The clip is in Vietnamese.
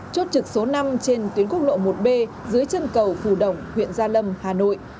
chốt trực số năm trên tuyến quốc lộ một b dưới chân cầu phù đồng huyện gia lâm hà nội